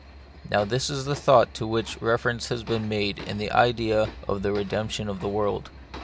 Now this is the thought to which reference has been made in the idea of the redemption of the world.